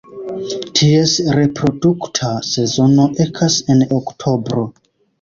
Ties reprodukta sezono ekas en oktobro.